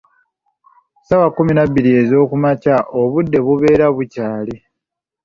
Ssaawa kkumi na bbiri ezookumakya obudde bubeera bukyali.